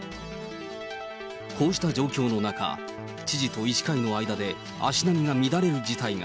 こうした状況の中、知事と医師会の間で足並みが乱れる事態が。